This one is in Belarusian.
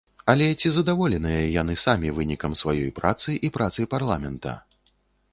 Але ці задаволеныя яны самі вынікам сваёй працы і працы парламента?